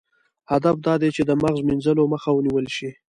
هدف دا دی چې د مغز مینځلو مخه ونیول شي.